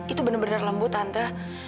itu bener bener lembut tante